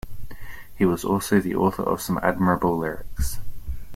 He was also the author of some admirable lyrics.